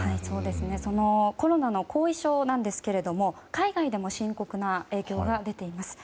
そのコロナの後遺症なんですが海外でも深刻な影響が出ています。